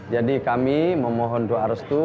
jadi kami memohon doa restu